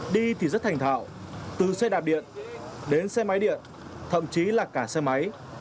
đi thì rất thành thạo từ xe đạp điện đến xe máy điện thậm chí là cả xe máy